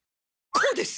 こうです！